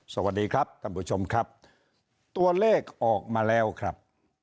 สวัสดีครับท่านผู้ชมครับตัวเลขออกมาแล้วครับ